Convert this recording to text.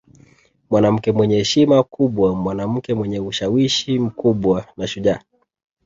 Mwanamke mwenye heshima kubwa mwanamke mwenye ushawishi mkubwa na shujaa